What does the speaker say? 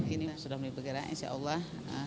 ini sudah mulai bergerak insya allah